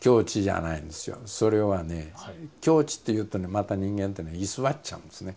それはね境地っていうとねまた人間ってね居座っちゃうんですね。